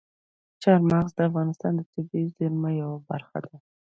چار مغز د افغانستان د طبیعي زیرمو یوه برخه ده.